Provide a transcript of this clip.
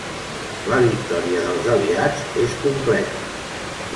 La victòria dels aliats és completa.